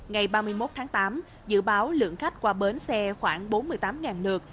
ngày ba mươi một tháng tám dự báo lượng khách qua bến xe khoảng bốn mươi tám lượt